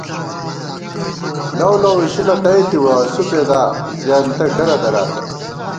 لَؤلَؤ اِشِلہ تئی تِوَہ ، اسُو پېدا زېنتہ کرہ دراتہ